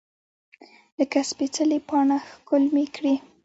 لکه سپیڅلې پاڼه ښکل مې کړې